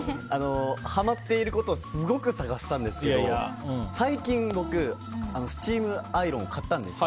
ハマっていることをすごく探したんですけど最近、僕、スチームアイロンを買ったんです。